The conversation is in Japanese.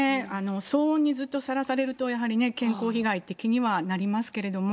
騒音にずっとさらされると、やはりね、健康被害って気にはなりますけども。